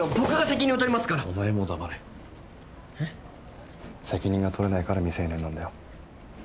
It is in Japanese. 責任が取れないから未成年なんだよ。